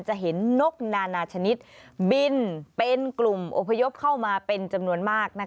จะเห็นนกนานาชนิดบินเป็นกลุ่มอพยพเข้ามาเป็นจำนวนมาก